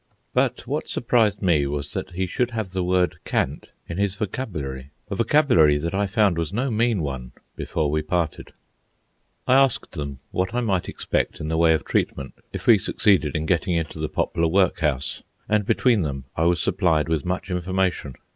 But what surprised me was that he should have the word "cant" in his vocabulary, a vocabulary that I found was no mean one before we parted. I asked them what I might expect in the way of treatment, if we succeeded in getting into the Poplar Workhouse, and between them I was supplied with much information.